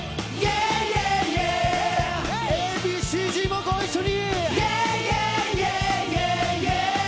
Ａ．Ｂ．Ｃ‐Ｚもご一緒に！